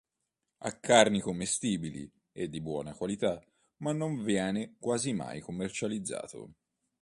Ha carni commestibili e di buona qualità ma non viene quasi mai commercializzato.